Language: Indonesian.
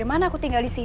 kamu kasar banget sih